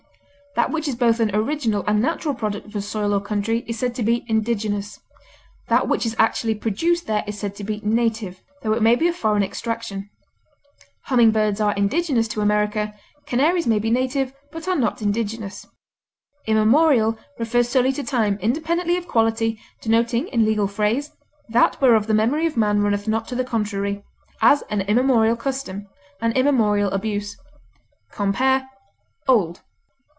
That which is both an original and natural product of a soil or country is said to be indigenous; that which is actually produced there is said to be native, though it may be of foreign extraction; humming birds are indigenous to America; canaries may be native, but are not indigenous. Immemorial refers solely to time, independently of quality, denoting, in legal phrase, "that whereof the memory of man runneth not to the contrary;" as, an immemorial custom; an immemorial abuse. Compare OLD.